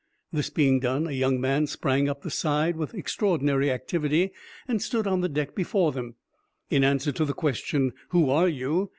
This being done, a young man sprang up the side with extraordinary activity, and stood on the deck before them. In answer to the question "Who are you?"